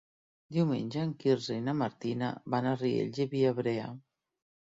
Diumenge en Quirze i na Martina van a Riells i Viabrea.